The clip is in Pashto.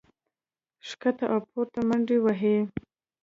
ښکته او پورته منډې وهي